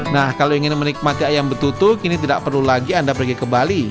nah kalau ingin menikmati ayam betutuk ini tidak perlu lagi anda pergi ke bali